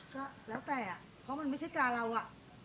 กะละแต่อ่ะเพราะมันไม่ใช่จ๋าเราอ่ะ